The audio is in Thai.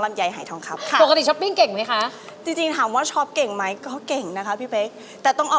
มีโปรดงานเพลงของตัวเอง